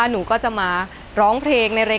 อายุ๒๔ปีวันนี้บุ๋มนะคะ